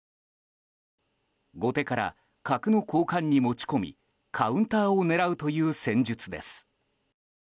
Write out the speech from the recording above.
後手から角の交換に持ち込みカウンターを狙うという戦術です。